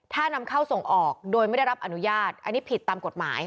ถ้านำเข้าส่งออกโดยไม่ได้รับอนุญาตอันนี้ผิดตามกฎหมาย